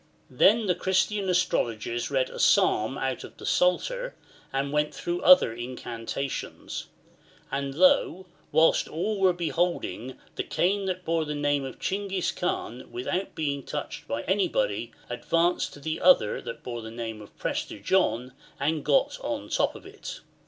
Then the Christian astrologers read a Psalm out of the Psalter, and went through other incantations. And lo ! whilst all were beholding, the cane that bore the name of Chinghis Kaan, without being touched by anybody, advanced to the other that bore the name of Prester John, and got on the top of it.